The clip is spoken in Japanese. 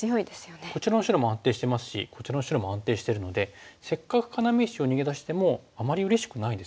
こちらの白も安定してますしこちらの白も安定してるのでせっかく要石を逃げ出してもあまりうれしくないですよね。